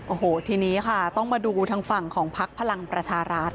โอ้โหทีนี้ค่ะต้องมาดูทางฝั่งของพักพลังประชารัฐ